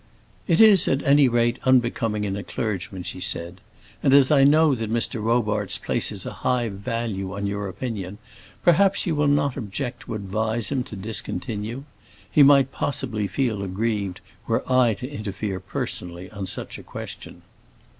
"It is at any rate unbecoming in a clergyman," she said; "and as I know that Mr. Robarts places a high value on your opinion, perhaps you will not object to advise him to discontinue it. He might possibly feel aggrieved were I to interfere personally on such a question."